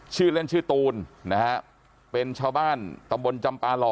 ชื่อเล่นชื่อตูนนะฮะเป็นชาวบ้านตำบลจำปาหล่อ